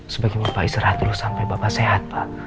sebagai mumpah istirahat dulu sampai bapak sehat pak